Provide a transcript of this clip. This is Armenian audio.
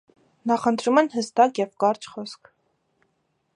Նախընտրում են հստակ և կարճ խոսք։